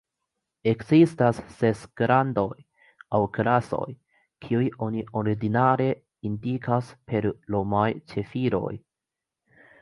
Ekzistas ses gradoj, aŭ klasoj, kiujn oni ordinare indikas per romaj ciferoj.